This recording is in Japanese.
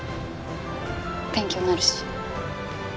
勉強になるし。